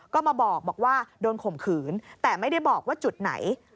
ก็มาบอกว่าโดนข่มขืนแต่ไม่ได้บอกว่าจุดไหน